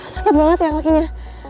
sakit banget ya kakinya